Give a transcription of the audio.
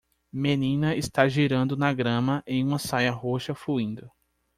Menina está girando na grama em uma saia roxa fluindo